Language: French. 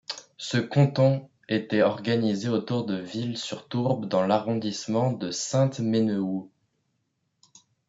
Ce canton était organisé autour de Ville-sur-Tourbe dans l'arrondissement de Sainte-Menehould.